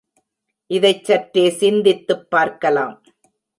இதைச் சற்றே சிந்தித்துப் பார்க்கலாம்.